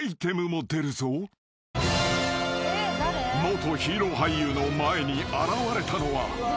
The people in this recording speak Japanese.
［元ヒーロー俳優の前に現れたのは］